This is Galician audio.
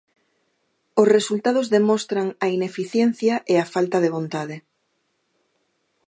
Os resultados demostran a ineficiencia e a falta de vontade.